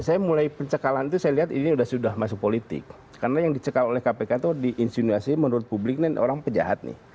saya mulai pencekalan itu saya lihat ini sudah masuk politik karena yang dicekal oleh kpk itu diinsinuasi menurut publik ini orang penjahat nih